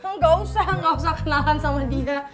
nggak usah kenalan sama dia